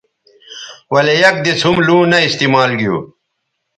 ولے یک دِس ھم لوں نہ استعمال گیو